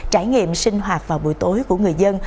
trải nghiệm sinh hoạt vào buổi tối của người dân